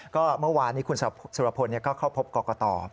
ก็เมื่อวานคุณสุรพนธ์ก็เข้าพบก่อก่อต่อ